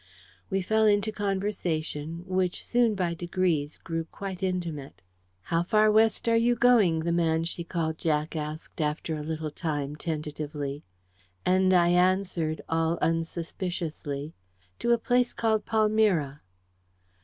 We fell into conversation, which soon by degrees grew quite intimate. "How far West are you going?" the man she called Jack asked after a little time, tentatively. And I answered, all unsuspiciously: "To a place called Palmyra."